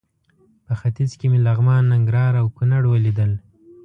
په ختیځ کې مې لغمان، ننګرهار او کونړ ولیدل.